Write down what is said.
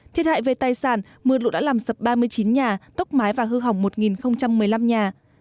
thiệt hại về tài sản mưa lũ đã làm sập ba mươi chín nhà tốc mái và hư hỏng một một mươi năm nhà